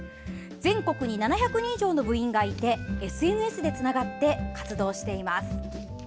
全国に７００人以上の部員がいてＳＮＳでつながって活動しています。